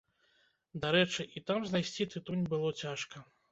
Дарэчы, і там знайсці тытунь было цяжка.